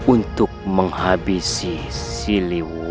untuk menghabisi siliwangi